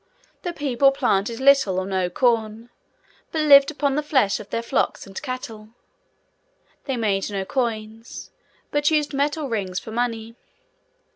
The people planted little or no corn, but lived upon the flesh of their flocks and cattle. They made no coins, but used metal rings for money.